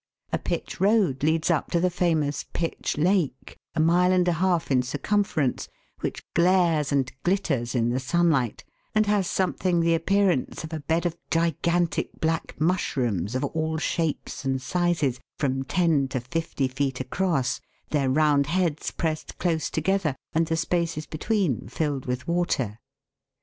A pitch road leads up to the famous Pitch Lake, a mile and a half in circumference, which glares and glitters in the sunlight, and has something the appearance of a bed of gigantic black mushrooms of all shapes and sizes, from ten to fifty feet across, their round heads pressed close to gether, and the spaces between filled with water.